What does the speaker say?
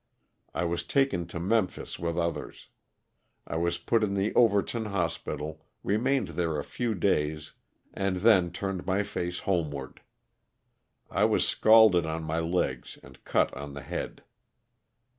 I was taken to Memphis with others. I was put in the Over ton hospital, remained there a few days, and then turned my face homeward. I was scalded on my legs and cut on the head.